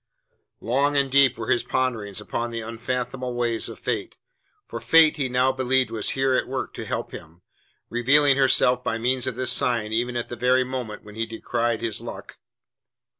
Long and deep were his ponderings upon the unfathomable ways of Fate for Fate he now believed was here at work to help him, revealing herself by means of this sign even at the very moment when he decried his luck.